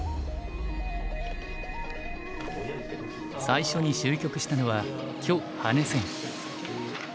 最初に終局したのは許・羽根戦。